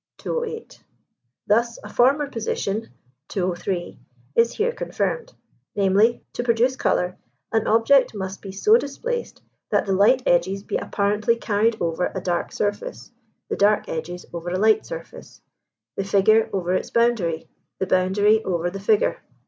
208. Thus, a former position (203) is here confirmed; viz. to produce colour, an object must be so displaced that the light edges be apparently carried over a dark surface, the dark edges over a light surface, the figure over its boundary, the boundary over the figure.